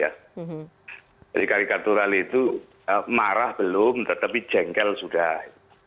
jadi karikatural itu marah belum tetapi jengkel sudah